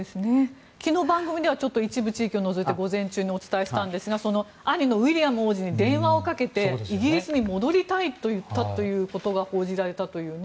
昨日、番組では一部地域を除いて午前中にお伝えしたんですが兄のウィリアム王子に電話をかけてイギリスに戻りたいと言ったということが報じられたという。